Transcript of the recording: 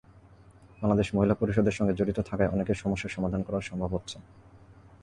বাংলাদেশ মহিলা পরিষদের সঙ্গে জড়িত থাকায় অনেকের সমস্যার সমাধান করাও সম্ভব হচ্ছে।